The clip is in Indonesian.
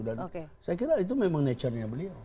dan saya kira itu memang nature nya beliau